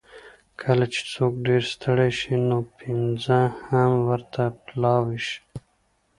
کله چې څوک ډېر ستړی شي، نو پېڅه هم ورته پلاو شي.